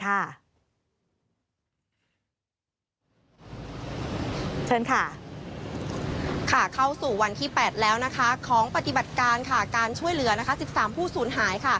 เชิญค่ะเข้าสู่วันที่๘แล้วนะคะของปฏิบัติการการช่วยเหลือ๑๓ผู้สูญหาย